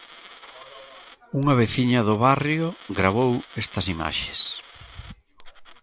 Unha veciña do barrio gravou estas imaxes.